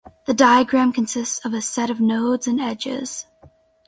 The diagram consists of a set of nodes and edges.